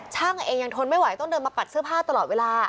ช่างเองยังทนไม่ไหวต้องเดินมาปัดเสื้อผ้าตลอดเวลา